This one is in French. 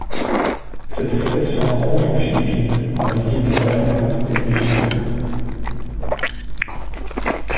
Cette espèce se rencontre aux Philippines dans les îles de Palawan et Busuanga.